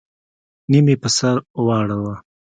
نيم يې په سر واړوه.